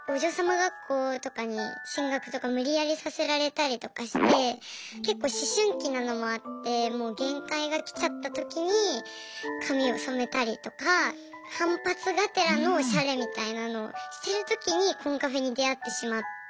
学校とかに進学とか無理やりさせられたりとかして結構思春期なのもあってもう限界が来ちゃった時に髪を染めたりとか反発がてらのオシャレみたいなのをしてる時にコンカフェに出会ってしまって。